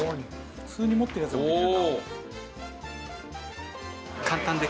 「普通に持ってるやつでもできるんだ」